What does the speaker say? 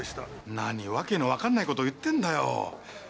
何わけのわかんないことを言ってんだよ。